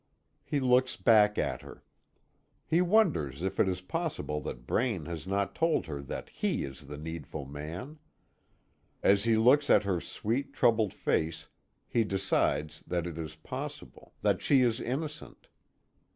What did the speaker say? He looks back at her. He wonders if it is possible that Braine has not told her that he is the needful man. As he looks at her sweet, troubled face, he decides that it is possible; that she is innocent.